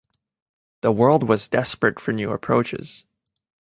The world was desperate for new approaches.